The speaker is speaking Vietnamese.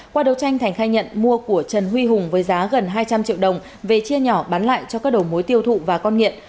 qua đấu tranh thành khai nhận mua của trần huy hùng với giá gần hai trăm linh triệu đồng về chia nhỏ bán lại cho các đầu mối tiêu thụ và con nghiện